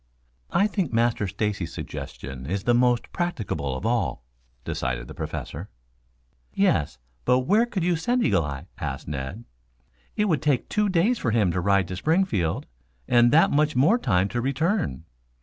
"I think Master Stacy's suggestion is the most practicable of all," decided the Professor. "Yes, but where could you send Eagle eye?" asked Ned. "It would take two days for him to ride to Springfield, and that much more time to return.